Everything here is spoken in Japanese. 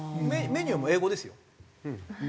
メニューも英語ですよ